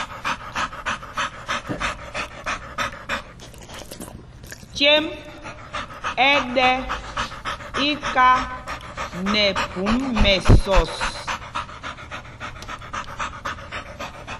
Cêm ɛ ɗɛ iká nɛ phum mɛsɔs.